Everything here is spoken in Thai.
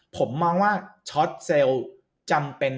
ผมมองว่าช็อตเซลล์จำเป็น